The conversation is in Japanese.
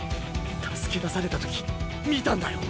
助け出されたとき見たんだよ。